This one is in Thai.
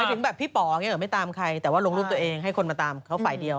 หรือถึงแบบพี่ป๋อไม่ตามใครแต่ว่าลงรูปตัวเองให้คนมาตามเขาฝ่ายเดียว